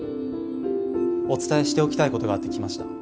お伝えしておきたいことがあって来ました。